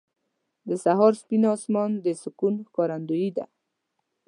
• د سهار سپین اسمان د سکون ښکارندوی دی.